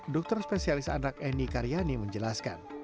dokter spesialis anak eni karyani menjelaskan